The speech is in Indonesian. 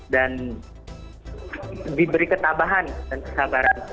diberi ketabahan dan kesabaran